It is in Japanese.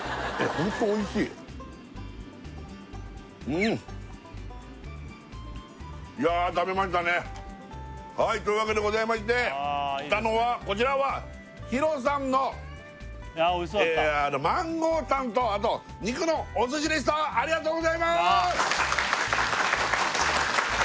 ホントおいしいうんいや食べましたねはいというわけでございまして来たのはこちらは弘さんのマンゴータンとあと肉のお寿司でしたありがとうございます！